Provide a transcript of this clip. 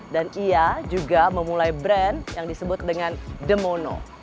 ia juga memulai brand yang disebut dengan the mono